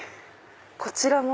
こちらも？